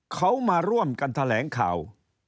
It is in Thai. เขามาร่วมกันแถลงข่าว